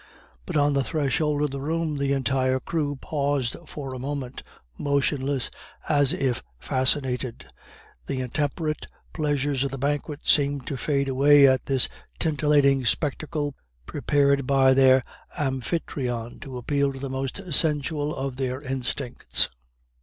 But on the threshold of the room the entire crew paused for a moment, motionless, as if fascinated. The intemperate pleasures of the banquet seemed to fade away at this titillating spectacle, prepared by their amphitryon to appeal to the most sensual of their instincts.